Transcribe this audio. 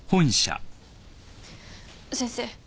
先生。